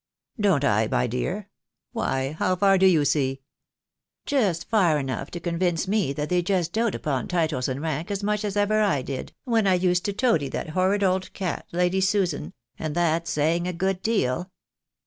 " Don't I, my dear ? Why, how far do you see ?"" Just far enough to convince me that they just dote upon titles and rank as much as ever I did, when I used to toady that horrid old cat. Lady Susan — and that's saying a good deal."